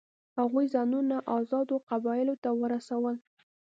هغوی ځانونه آزادو قبایلو ته ورسول.